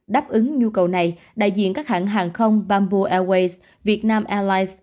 đáp ứng nhu cầu này đại diện các hãng hàng không bamboo airways vietnam airlines